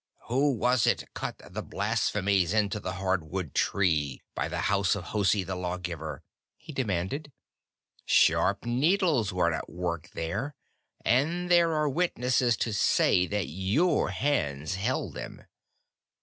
"Who was it cut the blasphemies into the hardwood tree, by the house of Hosi the Lawgiver?" he demanded. "Sharp needles were at work there, and there are witnesses to say that your hands held them."